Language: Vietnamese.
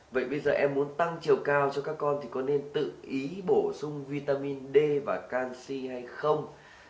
vậy bây giờ em muốn tăng chiều cao cho các con thì có nên tự ý bổ sung vitamin d và canxi hay không